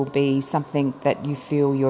bạn đang phát triển cho